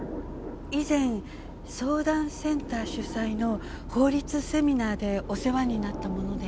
以前相談センター主催の法律セミナーでお世話になったもので。